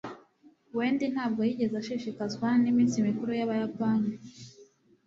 wendy ntabwo yigeze ashishikazwa n'iminsi mikuru y'abayapani